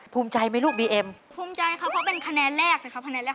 ภูมิใจไหมลูกบีเอ็มภูมิใจครับเพราะเป็นคะแนนแรกนะครับคะแนนแรก